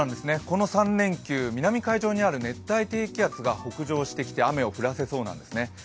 この３連休、南海上にある熱帯低気圧が北上してきて雨を降らせそうなんですね。